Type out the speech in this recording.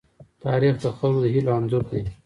تاریخ د خلکو د هيلو انځور دی.